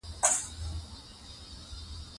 پابندی غرونه د افغانستان د ښاري پراختیا سبب کېږي.